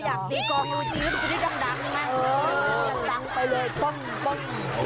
อยากดีกว่าน้องน้องจะยินไฟสีดิงต่างดีมั้ย